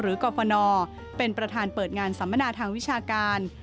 กรฟนเป็นประธานเปิดงานสัมมนาทางวิชาการ